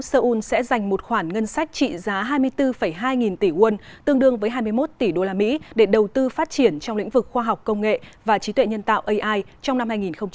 seoul sẽ dành một khoản ngân sách trị giá hai mươi bốn hai nghìn tỷ won tương đương với hai mươi một tỷ usd để đầu tư phát triển trong lĩnh vực khoa học công nghệ và trí tuệ nhân tạo ai trong năm hai nghìn hai mươi